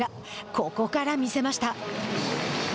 ここから見せました。